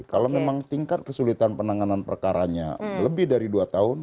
kalau memang tingkat kesulitan penanganan perkaranya lebih dari dua tahun